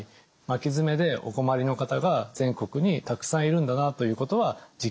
巻き爪でお困りの方が全国にたくさんいるんだなということは実感しています。